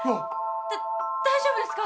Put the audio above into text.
だ大丈夫ですか？